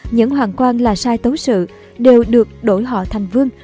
những hoàng quan là sai tấu sự đều được đổi họ thành vương